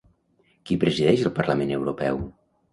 Qui presideix el Parlament Europeu?